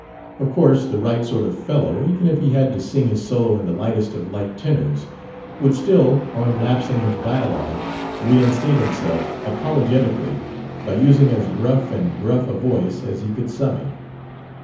Of course the right sort of fellow, even if he had to sing his solo in the lightest of light tenors, would still, on lapsing into dialogue, reinstate himself apologetically by using as rough and gruff a voice as he could summon.